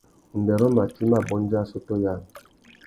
Undêrô matê i mà bôndia assôtô yâā.